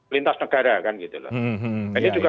lintas negara kan gitu loh ini juga